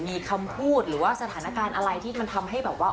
มีคำพูดหรือว่าสถานการณ์อะไรที่มันทำให้แบบว่า